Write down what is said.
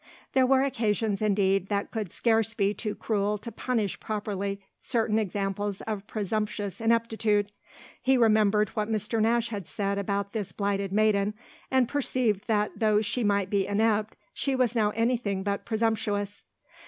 There were occasions indeed that could scarce be too cruel to punish properly certain examples of presumptuous ineptitude. He remembered what Mr. Nash had said about this blighted maiden, and perceived that though she might be inept she was now anything but presumptuous.